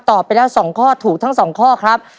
ไปแล้ว๒ข้อถูกทั้ง๒ข้อครับ